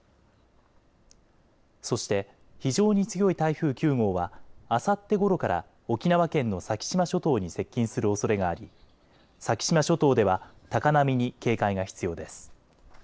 そして非常に強い台風９号はあさってごろから沖縄県の先島諸島に接近するおそれがあり、先島諸島では高波に警戒が必要です。